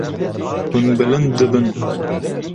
Hûn bilind dibin.